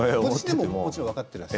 もちろん分かってます。